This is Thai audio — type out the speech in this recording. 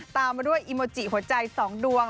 ตามมาด้วยอีโมจิหัวใจ๒ดวง